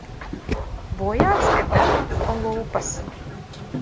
Bojāts ir deguns un lūpas.